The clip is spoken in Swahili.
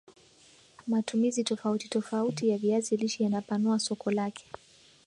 Matumizi tofauti tofauti ya viazi lishe yanapanua soko lake